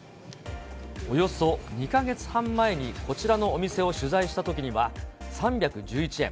およそ２か月半前にこちらのお店を取材したときには３１１円。